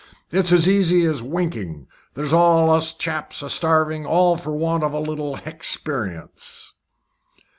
It's as easy as winking. Here's all us chaps a starving, all for want of a little hexperience!"